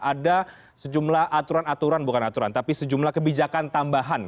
ada sejumlah aturan aturan bukan aturan tapi sejumlah kebijakan tambahan